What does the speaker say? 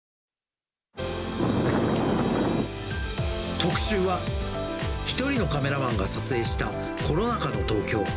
特集は、一人のカメラマンが撮影したコロナ禍の東京。